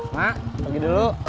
mak pergi dulu